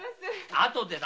あとでだ。